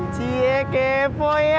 cie kepo ya